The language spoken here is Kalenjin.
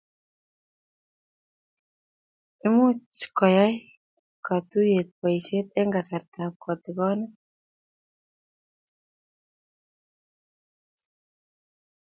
much koyai katuyet boishet eng kasarta ab tigonet